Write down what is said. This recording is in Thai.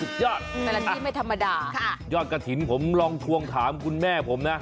แต่ละที่ไม่ธรรมดายอดกระถิ่นผมลองทวงถามคุณแม่ผมนะ